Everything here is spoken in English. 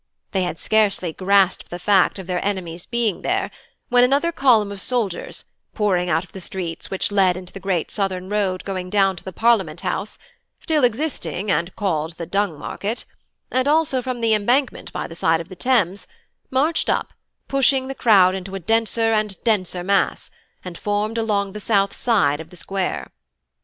They had scarcely grasped the fact of their enemies being there, when another column of soldiers, pouring out of the streets which led into the great southern road going down to the Parliament House (still existing, and called the Dung Market), and also from the embankment by the side of the Thames, marched up, pushing the crowd into a denser and denser mass, and formed along the south side of the Square.